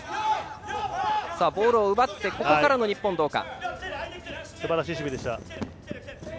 ボールを奪ってから日本どうか。